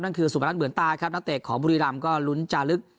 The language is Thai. นั่นคือสุมรรณเบือนตาครับณเตะขอบุรีรามก็ลุ้นจาลึก